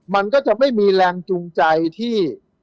มันก็จะไม่มีแรงจูงใจที่